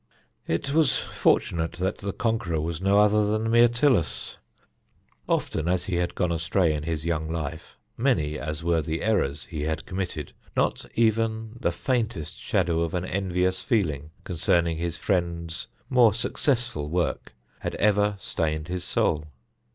It was fortunate that the conqueror was no other than Myrtilus. Often as he had gone astray in his young life, many as were the errors he had committed, not even the faintest shadow of an envious feeling concerning his friend's more successful work had ever stained his soul.